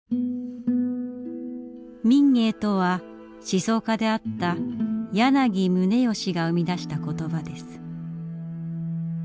民藝とは思想家であった柳宗悦が生み出した言葉です。